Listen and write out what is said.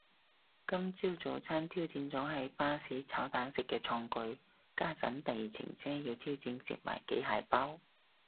今朝早餐挑戰咗喺巴士炒蛋食嘅創舉，家陣第二程車要挑戰食埋幾楷包